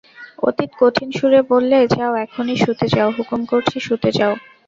অতীন কঠিন সুরে বললে, যাও এখনই শুতে যাও, হুকুম করছি শুতে যাও।